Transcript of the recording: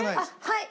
はい！